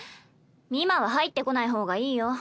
今は入ってこない方がいいよ。